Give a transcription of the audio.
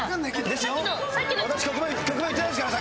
私曲名言ってないですから。